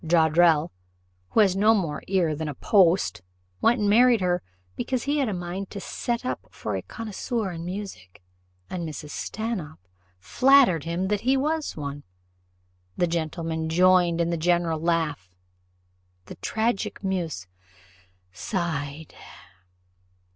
Joddrell, who has no more ear than a post, went and married her, because he had a mind to set up for a connoisseur in music; and Mrs. Stanhope flattered him that he was one." The gentlemen joined in the general laugh: the tragic muse sighed.